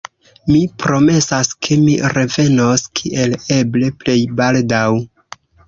Mi promesas, ke mi revenos kiel eble plej baldaŭ.